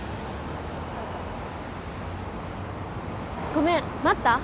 ごめん待った？